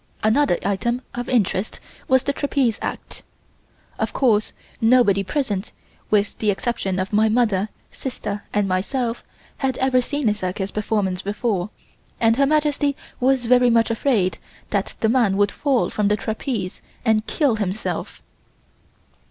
Another item of interest was the trapeze act. Of course nobody present with the exception of my mother, sister and myself had ever seen a circus performance before, and Her Majesty was very much afraid that the man would fall from the trapeze and kill himself.